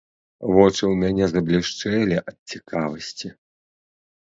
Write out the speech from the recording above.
Вочы ў мяне заблішчэлі ад цікавасці.